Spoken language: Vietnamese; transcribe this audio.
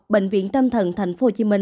bệnh viện tâm thần tp hcm